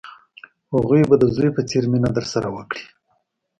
هغوی به د زوی په څېر مینه درسره وکړي.